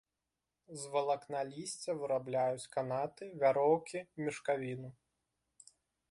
З валакна лісця вырабляюць канаты, вяроўкі, мешкавіну.